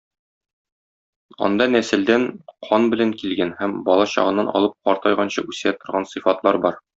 Анда нәселдән "кан" белән килгән һәм бала чагыннан алып картайганчы үсә торган сыйфатлар бар.